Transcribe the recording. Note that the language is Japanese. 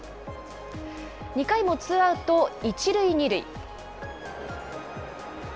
２回もツーアウト１塁２塁。